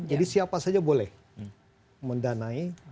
jadi siapa saja boleh mendanai